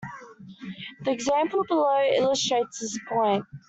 The example below illustrates this point.